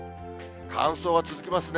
乾燥は続きますね。